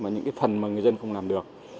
những phần mà người dân không làm được